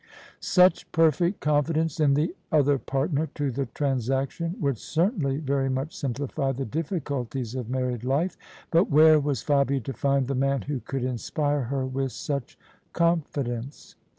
Such perfect confi dence in the other partner to the transaction would certainly very much simplify the difficulties of married life: but where was Fabia to find the man who could inspire her with such confidence?